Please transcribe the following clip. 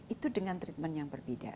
itu dengan treatment yang berbeda